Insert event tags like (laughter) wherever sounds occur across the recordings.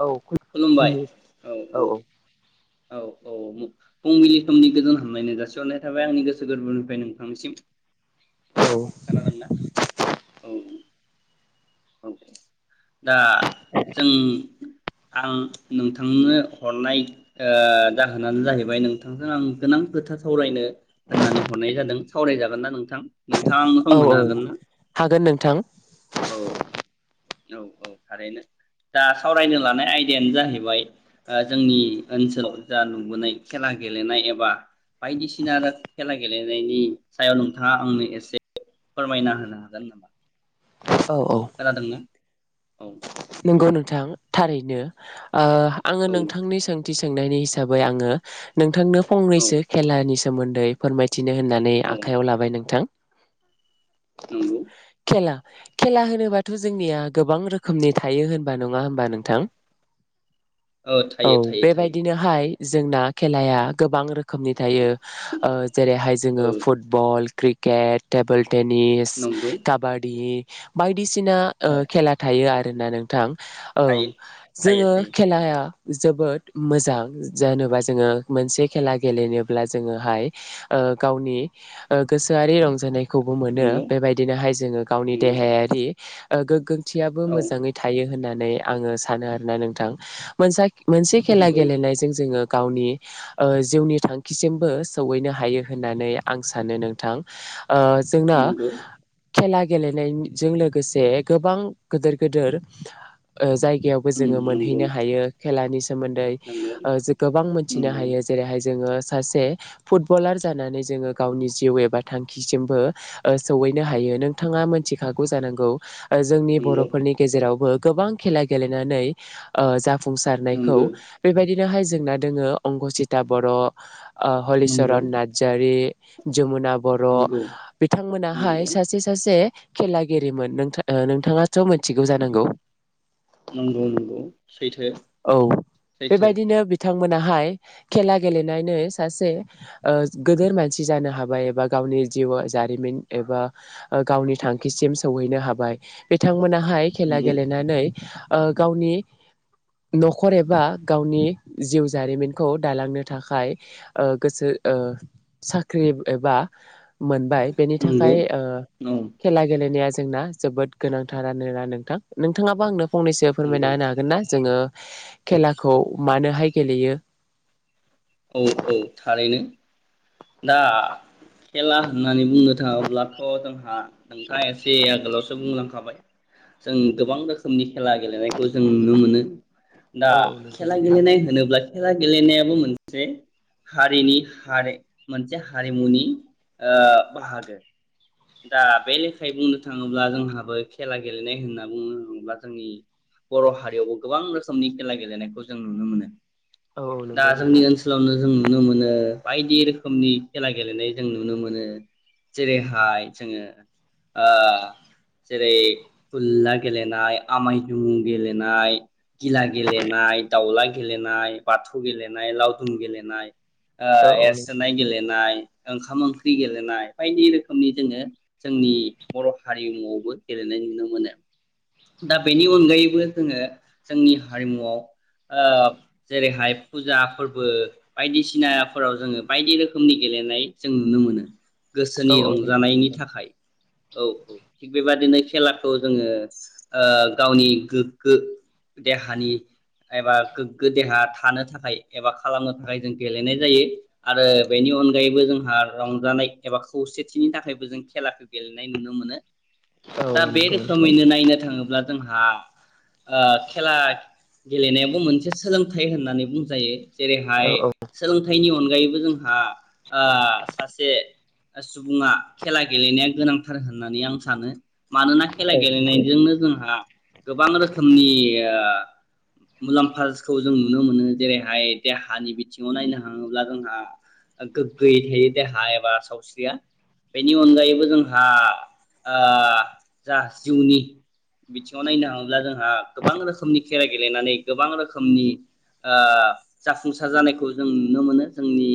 औ खुलुमबाय खुलुमनि औ औ औ औ फुंबिलि समनि गोजोन हामलायनाय जासिहरनाय थाबाय आंनि गोसो गोरबोनिफ्राय नोंथांनिसिम औ खोनादोंना नोंथां औ औ औ दा जों आं नोंथांनो हरनाय जाहोनानो जाहैबाय नोंथांजों आं गोनां खोथा सावरायनो होननानै हरनाय जादों सावरायजागोन ना नोंथां नोंथांखौ' औ सम होनो औ हागोन ना हागोन नोंथां औ औ औ थारैनो दा सावरायनो लानाय आइदाया नो जाहैबाय जोंनि ओनसोलाव जा नुबोनाय खेला गेलेनाय एबा बायदिसिना खेला गेलेनायनि सायाव नोंथाङा आंनो एसे फोरमायना होनो हागोन नामा खोनादोंना औ नोंगौ नोंथां थारैनो आङो औ नोंथांनि सोंथि सोंनाय सोंनायनि हिसाबै आङो नोंथांनो औ फंनैसो खेलानि सोमोन्दै फोरमायथिनो होननानै औ आखाइयाव लाबाय नोंथां नंगौ खेला खेला होनोबाथ' जोंनिया गोबां रोखोमनि थायो होनबा नङा होनबा नोंथां ओ औ थायो थायो थायो बेबायदिनोहाय जोंना खेलाया गोबां रोखोमनि थायो जेरैहाय ओ जोङो फुटबल क्रिकेट टेबल टेनिस नंगौ काबादि (inaudible) बायदिसिना औ खेला थायो आरो दा नोंथां औ थायो थायो जोङो थायो खेलाया जोबोद मोजां जेनेबा जोङो मोनसे खेला गेलेनोब्ला जोङोहाय गावनि गोसोआरि रंजानाय रंजानायखौबो मोनो नंगौ बेबायदिनोहाय जोङो गावनि नंगौ देहायारि ओ गोग्गो थियाबो औ मोजां थायो होननानै आङो सानो आरोना नोंथां मोनसे खेला नंगौ गेलेनायजों जोङो गावनि जिउनि थांखिसिमबो सौहैनो हायो होननानै आं सानो नोंथां जोंना नंगौ खेला गेलेनायजों लोगोसे गोबां गोदोर गोदोर जाय जायगायावबो उम जोङो नंगौ मोनहैनो हायो खेलानि सोमोन्दै नंगौ गोबां मोनथिनो नंगौ हायो जेरैहाय जोङो सासे फुटबलार जानानै जोङो गावनि जिउ एबा थांखिसिमबो सौहैनो हायो नोंथाङा मोनथिखागौ जानांगौ जोंनि बर' नंगौ जेरावबो गोबां खेला गेलेनानै जा नंगो जाफुंसारनायखौ बेबायदि बेनोहाय जेंना दोङो अंकसिता बर' नंगौ हलिचरन नार्जारि (inaudible) जमुना बर' नंगौ नंगौ बिथांमोनाहाय सासे सासे खेलागिरिरिमोन नोंथा नोंथाङा थ' मोथिगौ जानांगौ नंगौ नंगौ सैथो सैथो बिथां मोनाहाय खेला गेलेनानै सासे ओ गोदोर मानसि जानो हाबाय एबा गावनि जिउ जारिमिन एबा गावनि थांखिसिम सौहैनो हाबाय बिथांमोनहा हाय खेला नंगौ गेलेनानै ओ गावनि नखर एबा गावनि जिउ जारिमिनखौ दालांनो थाखाय ओ गोसो साख्रि एबा मोनबाय बेनि नंगौ थाखाय ओ औ खेला गेलेनाया जोंना जोबोद गोनांथारानो ना नोंथां नोंथाङाबा आंनो फंनैसो फोरमायना नंगौ होनो हागोन ना जोङो खेलाखौ मानोहाय गेलेयो औ औ थारैनो दा खेला होननानै बुंनो थाङोब्लाथ' जोंहा नोंथाङा एसे आगोलावसो बुंलां खाबाय जों गोबां रोखोमनि खेला गेलेनायखौ जों नुनो मोनो दा औ औ नंगौ खेला गेलेनाय होनोब्ला खेला गेलेनायाबो मोनसे हारिनि हारि मोनसे हारिमुनि ओ बाहागो दा बे लेखायै बुंनो थाङोब्ला जोंहाबो खेला गेलेनाय होनना बुंनो थाङोब्ला जोंनि बर' हारियावबो गोबां रोखोमनि खेला गेलेनायखौ जों नुनो मोनो औ औ दा नंगौ जोंनि नोंथां ओनसोलावनो जों नुनो मोनो बायदि रोखोमनि खेला गेलेनाय जों नुनो मोनो जेरैहाय जोङो ओ जेरै खुलला गेलेनाय आमाय जुमुं गेलेनाय गिला गेलेनाय दाउला गेलेनाय बाथौ गेलेनाय लावदुम गेलेनाय ओ औ औ एरसोनाय गेलेनाय ओंखाम ओंख्रि गेलेनाय बायदि रोखोमनि जोङो जोंनि बर' हारिमुआवबो गेलेनाय नुनो मोनो दा बेनि अनगायैबो जोङो जोंनि हारिमुआव ओ जेरैहाय फुजा फोरबो बायदिसिनाफोराव जोङो बायदि रोखोमनि गेलेनाय जों नुनो मोनो गोसोनि औ औ नंगौ रंजानायनि नोंथां थाखाय औ औ थिग बेबादिनो खेलाखौ जोङो ओ गावनि गोगगो देहानि एबा गोगगो देहा थानो थाखाय एबा खालामनो थाखाय जों गेलेनाय जायो आरो बेनि अनगायैबो जोंहा रंजानाय एबा खौसेथिनि थाखायबो जों खेलाखौ गेलेनाय नुनो मोनो औ दा औ बे नंगौ नोंथां रोखोमैनो नायनो थाङो ब्ला जोंहा ओ खेला गेलेनायाबो मोनसे सोलोंथाइ होननानै बुंजायो जेरैहाय औ औ सोलोंथाइनि अन गायैबो जोंहा ओ सासे सुबुङा खेला गेलेनाया गोनांथार होननानै आं सानो मानोना खेला औ नंगौ गेलेनायजोंनो जोंहा गोबां रोखोमनि ओ मुलामफाखौ जों नुनो मोनो जेरैहाय देहानि बिथिङाव नायनो हाङोब्ला जोंहा गोगगोयै थायो देहा एबा सावस्रिया बेनि अनगायैबो जोंहा ओ जा जिउनि बिथिङाव नायनो थाङोब्ला जोंहा गोबां रोखोमनि खेला गेलेनानै गोबां रोखोमनि ओ जाफुंसार जानायखौ जों नुनो मोनो जोंनि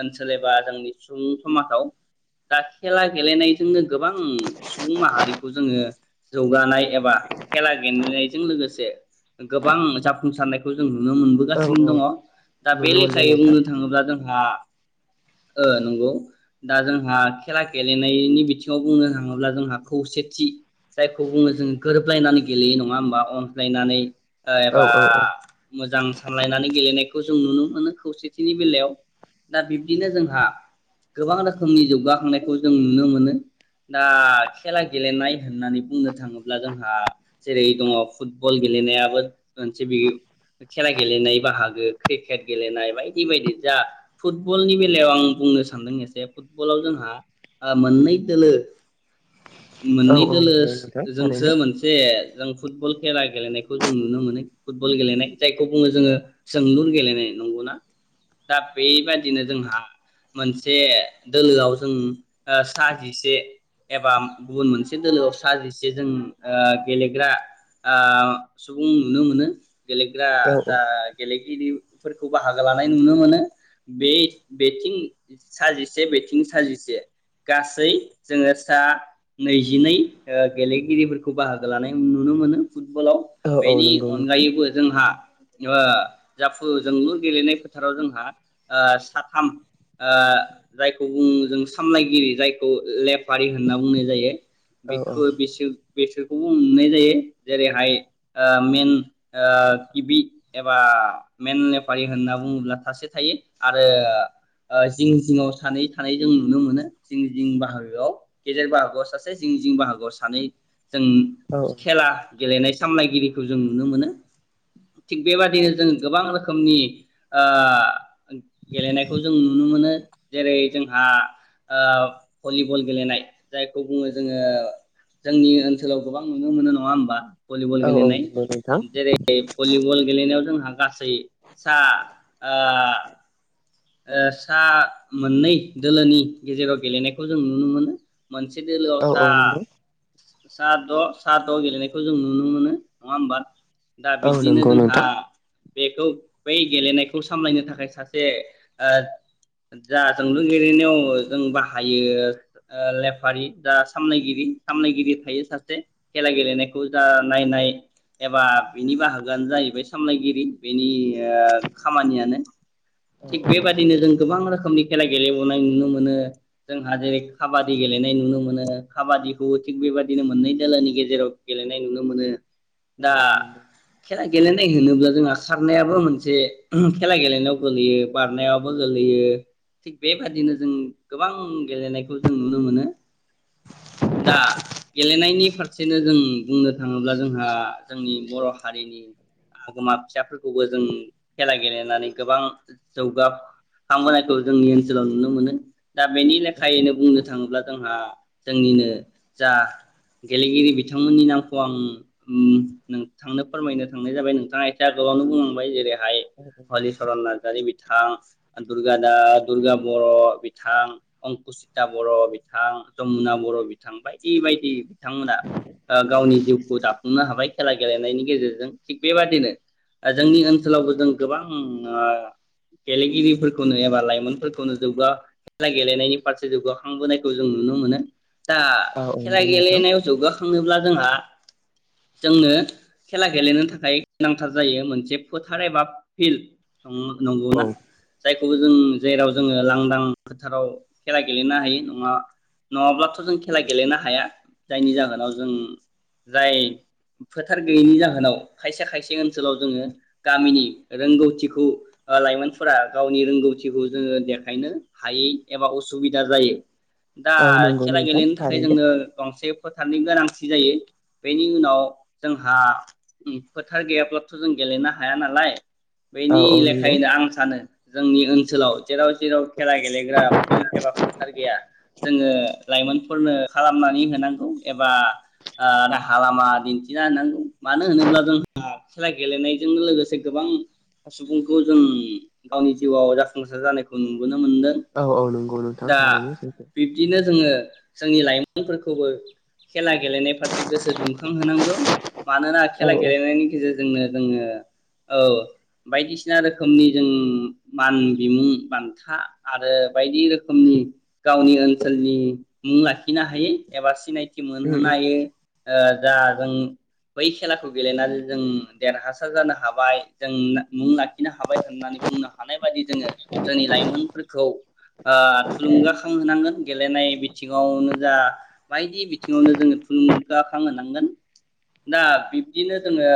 ओनसोल एबा जोंनि सुबुं समाजाव दा खेला गेलेनायजोंनो गोबां सुबुं माहारिखौ जोङो जौगानाय एबा खेला गेलेनायजों लोगोसे गोबां जाफुंसारनायखौ जों नुनो औ मोनबोगासिनो औ दङ दा बे नुनो मोनदों लेखायै नोंथां बुंनो थाङोब्ला जोंहा ओ नंगौ दा जोंहा खेला गेलेनायनि बिथिङाव बुंनो थाङोब्ला जोंहा खौसेथि जायखौ बुङो जों गोरोबलायनानै गेलेयो नङा होमबा अनज्लायनानै ओ औ एबा औ औ मोजां सानलायनानै गेलेनाय खौ जों नुनो मोनो खौसेथिनि बेलायाव दा बिबदिनो जोंहा गोबां रोखोमनि जौगाखांनायखौ जों नुनो मोनो दा खेला गेलेनाय होननानै बुंनो थाङो ब्ला जोंहा जेरै दङ फुटबल गेलेनायाबो मोनसे बि खेला गेलेनाय बाहागो क्रिकेट गेलेनाय बायदि बायदि जा फुटबलनि बेलायाव आं बुंनो सानदों एसे फुटबलाव जोंहा ओ मोननै दोलो औ मोननै औ दोलो नंगौ नोंथां जोंसो थारैनो मोनसे जों फुटबल खेला गेलेनाय खौ जों नुनो मोनो फुटबल गेलेनाय जायखौ बुङो जोङो सोंलुर गेलेनाय नंगौना दा बेबादिनो जोंहा मोनसे दोलोआव जों सा जिसे एबा गुबुन मोनसे दोलोआव सा जिसे जों ओ गेलेग्रा सुबुं आ नुनो मोनो गेलेग्रा औ जा गेलेग्रि फोरखौ बाहागो लानाय नुनो मोनो बे बेथिं साजिसे बेथिं साजिसे गासै जोङो सा नैजिनै ओ गेलेगिरिफोरखौ बाहागो लानाय नुनो मोनो फुटबलाव औ औ बेनि नंगौ नोंथां अनगायैबो जोंहा ओ जाफु जोंलुर गेलेनाय फोथाराव जोंहा ओ साथाम ओ जायखौ जों सामलायगिरि जायखौ लेफारि होनना बुंनाय जायो औ औ बेखौ बि बेसोरखौबो नुनाय जायो जेरैहाय ओ मेन ओ गिबि एबा मेन लेफारि होनना बुङोब्ला सासे थायो आरो ओ जिं जिङआव सानै थानायानै जों नुनो मोनो जिं जिं बाहागोआव गेजेर बाहागोआव सासे जिं जिं बाहागोआव सानै जों औ खेला गेलेनाय सामलायगिरिखौ जों नुनो मोनो थिग बेबादिनो जों गोबां रोखोमनि ओ गेलेनायखौ जों नुनो मोनो जेरै जोंहा ओ भलिबल गेलेनाय जायखौ बुङो जोङो जोंनि ओनसोलाव गोबां नुनो मोनो नङा होमबा भलिबल औ औ गेलेनाय नंगौ नोंथां जेरै भलिबल गेलेनायाव जोंहा गासै सा ओ सा मोननै दोलोनि गेजेराव गेलेनायखौ जों नुनो मोनो मोनसे दोलोआव औ सा औ नंगौ सा द' सा द' गेलेनायखौ जों नुनो मोनो नङा होमबा दा औ बिदिनो नंगौ जोंहा नोंथां बेखौ बै गेलेनायखौ सामलायनो थाखाय सासे ओ जा जोंलु गेलेनायाव जों बाहायो लेफारि दा सामलायगिरि सामलायगिरि थायो सासे खेला गेलेनायखौ जा नायनाय एबा बिनि बाहागोआनो जाहैबाय सामलायगिरि बेनि खामानियानो औ थि औ बेबायदिनो जों गोबां रोखोम रोखोमनि खेला गेलेबोननाय नुनो मोनो जोंहा जेरै खाबादि गेलेनाय नुनो मोनो खाबादिखौबो थिग बेबायाददिनो मोननै दोलोनि गेजेराव गेलेनाय नुनो मोनो दा औ औ नंगौ खेला गेलेनाय होनोब्ला जोंहा खारनायाबो मोनसे खेला गेलेनायाव गोल्लैयो बारनायावबो गोलैयो थिग बेबादिनो जों गोबां गेलेनायखौ जों नुनो मोनो दा गेलेनायनि फारसेनो जों बुंनो थाङोब्ला जोंहा जोंनि बर' हारिनि आगोमा फिसाफोरखौबो जों खेला गेलेनानै गोबां जौगाखांबोनायखौ जोंनि ओनसोलाव नुनो मोनो दा बेनि लेखायैनो बुंनो थाङोब्ला जोंहा जोंनिनो जा गेलेगिरि बिथांमोननि नामखौ आं नोंथांनो उम फोरमायनो थांनाय जाबाय नोंथाङा एख आगोलावनो बुंलांबाय जेरैहाय हलिचरन नार्जारि बिथां दुर्गा दा दुर्गा बर' बिथां अंकुसिता बर' बिथां जमुना बर बर' बिथां बायदि बायदि बिथांमोना गावनि जिउखौ दाफुंनो हाबाय खेला गेलेनायनि गेजेरजों थिग बेबादिनो जोंनि ओनसोलावबो जों गोबां गेलेगिरिफोरखौनो एबा लाइमोनफोरखौनो जौग खेला गेलेनायनि फारसे जौगाखांबोनायखौ जों नुनो मोनो दा औ औ खेला नंगौ नोंथां गेलेनायाव जौगाखांनोब्ला जोंहा जोंनो खेला गेलेनो थाखाय गोनांथार जायो मोनसे फोथार एबा फिल्ड औ नंगौना जाय खौ जों जेराव जोङो लांदां फोथाराव खेला गेलेनो हायो नङा नङाब्ला जों खेला गेलेनो हाया जायनि जाहोनाव जों जाय फोथार गैयैनि जाहोनाव खायसे खायसे ओनसोलाव जोङो गामिनि रोंगौथिखौ लाइमोनफोरा गावनि रोंगौथिखौ जोङो देखायनो हायै एबा उसुबिदा जायो दा औ नंगौ खेला नोंथां गेलेनो थाखाय थारैनो जोङो गंसे फोथारनि गोनांथि जायो बेनि उनाव जोंहा फोथार गैयाब्लाथ' जों गेलेनो हाया नालाय औ बेनि औ नंगौ लेखायैनो आं सानो जोंनि ओनसोलाव जेराव जेराव खेला गेलेग्रा फिल्ड एबा फोथार गैया जोङो लाइमोनफोरनो खालामनानै होनांगौ एबा ओ राहा लामा दिन्थिना होनांगौ मानो होनोब्ला जोंहा खेला गेलेनायजोंनो लोगोसे गोबां सुबुंखौ जों गावनि जिउआव जाफुंसार जानायखौ नुगोन मोनदों औ औ नंगौ नोंथां दा थारैनो सैथो बिब्दिनो जोङो जोंनि लाइमोनफोरखौबो खेला गेलेनाय फारसे गोसो दुंखांहोनांगौ मानोना औ खेला गेलेनायनि गेजेरजोंनो जोङो औ बायदिसिना रोखोमनि जों मान बिमुं बान्था आरो बायदि रोखोमनि गावनि ओनसोलनि मुं लाखिनो हायै एबा सिनाय मोनहोनो हायो जा जों बै खेलाखौ गेलेनानै जों देरहासार जानो हाबाय जों मुं लाखि खिनो हाबाय होननानै बुंनो हानाय बायदि जोङो जोंनि लाइमोनफोरखौ ओ थुलुंगाखांहोनांगोन गेलेनाय सिङावनो जा बायदि बिथिङावनो जोङो थुलुंगाखां होनांगोन दा बिब्दिनो जोङो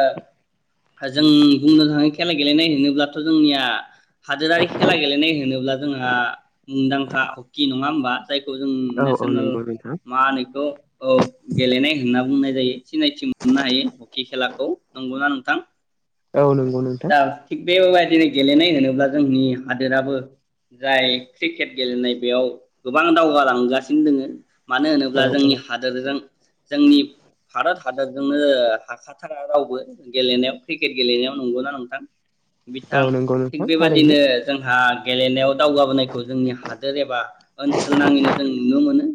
जों बुंनो थाङो खेला गेलेनाय होनोब्लाथ' जोंनिया हादोरारि खेला गेलेनाय होनोब्ला जोंहा मुंदांखा हकि नङा होमबा जायखौ जों औ औ नेसनेल नंगौ नोंथां मा होनोएखौ गेलेनाय होनना बुंनाय जायो सिनायथि मोननो हायो हकि खेलाखौ नंगौना नोंथां औ नंगौ नोंथां दा थि बे लाइ दिनै गेलेनाय होनोब्ला जोंनि हादोराबो जाय क्रिकेट गेलेनाय बेयाव गोबां दावगालांगासिनो दोङो मानो होनोब्ला औ औ जोंनि हादोरजों जोंनि भारत हादरजोंनो हाखाथारा रावबो गेलेनायाव क्रिकेट गेलेनायाव नंगौना नोंथां औ बिथां नंगौ थिग नोंथां थारैनो बेबायदिनो जोंहा गेलेनायाव दावगाबोनायखौ जोंनि हादोर एबा ओनसोल नाङैनो जों नुनो मोनो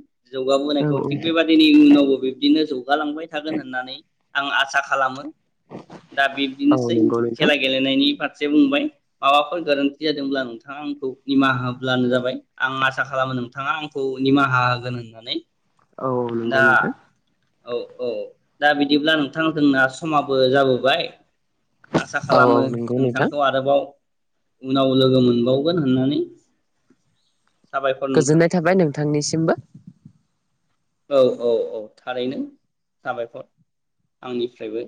औ जौगाबोनायखौ थिग बेबादिनि इयुनावबो बिब्दिनो जौ हुगालांबाय थागोन होननानै आं आसा खालामो दा औ औ बिब्दिनोसै नंगौ नोंथां खेला गेलेनायनि बाथ्रा फारसे बुंबाय माबाफोर गोरोन्थि जादोंब्ला नोंथाङा आंखौ निमाहा होब्लानो जाबाय आं आसा खालामो नोंथाङा आंखौ निमाहा होगोन होननानै औ नंगौ दा नोंथां औ औ दा बिदिब्ला नोंथां जोंना समाबो जाबोबाय (inaudible) आसा औ औ खालामो नंगौ नोंथां नोंथांखौ आरोबाव उनाव लोगो मोनबावगोन होननानै साबायखर नोंथां गोजोननाय थाबाय नोंथांनिसिमबो औ औ औ थारैनो साबायखर आंनिफ्रायबो